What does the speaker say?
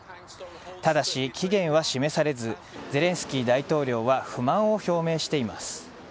ただし、期限は示されずゼレンスキー大統領は不満を表明しています。